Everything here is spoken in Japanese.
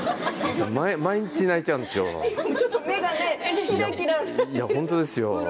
毎日泣いちゃうんですよ。